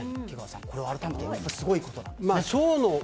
瀧川さん、これは改めてすごいことなんですよね。